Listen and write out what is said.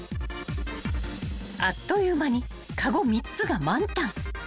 ［あっという間にかご３つが満タン］